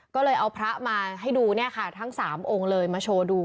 ก็เลยเอาพระมาให้ดูเนี่ยค่ะทั้ง๓องค์เลยมาโชว์ดู